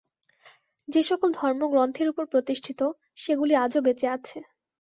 যে-সকল ধর্ম গ্রন্থের উপর প্রতিষ্ঠিত, সে-গুলি আজও বেঁচে আছে।